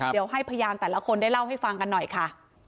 เดี๋ยวให้พยานแต่ละคนได้เล่าให้ฟังกันหน่อยค่ะ